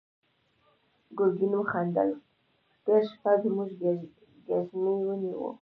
ګرګين وخندل: تېره شپه زموږ ګزمې ونيو.